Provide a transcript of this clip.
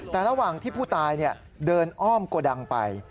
แต่ระหว่างที่ผู้ตายเดินอ้อมโกดังไป